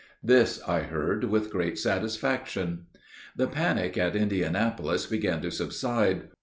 This I heard with great satisfaction. The panic at Indianapolis began to subside.